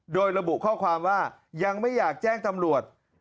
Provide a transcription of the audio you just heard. โดยระบุข้อความว่ายังไม่อยากแจ้งตำรวจ